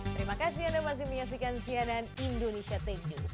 terima kasih anda masih menyaksikan sianan indonesia take news